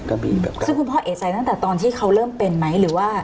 คุณพ่อเอจใจตั้งแต่ตอนที่เขาเริ่มเป็นไหม